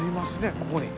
ここに。